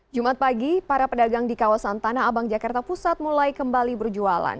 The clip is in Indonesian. jumat pagi para pedagang di kawasan tanah abang jakarta pusat mulai kembali berjualan